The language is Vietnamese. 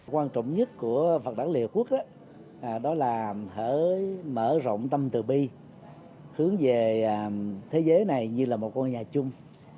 quan trọng nhất của phật đảng liên hợp quốc đó là hỡi mở rộng tâm tự bi hướng về thế giới này như là một con nhà chung